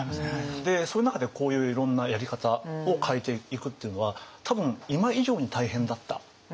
でその中でこういういろんなやり方を変えていくというのは多分今以上に大変だったと思うんですよね。